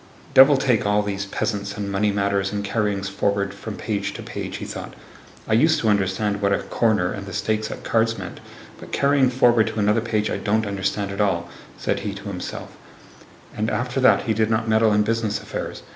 "Devil take all these peasants, and money matters, and carryings forward from page to page," he thought. "I used to understand what a 'corner' and the stakes at cards meant, but carrying forward to another page I don't understand at all," said he to himself, and after that he did not meddle in business affairs.